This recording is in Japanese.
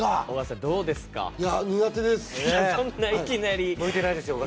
苦手です！